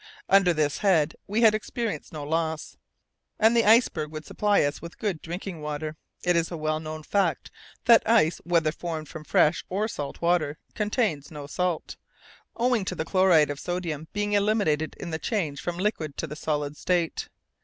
Under this head we had experienced no loss, and the iceberg would supply us with good drinking water. It is a well known fact that ice, whether formed from fresh or salt water, contains no salt, owing to the chloride of sodium being eliminated in the change from the liquid to the solid state.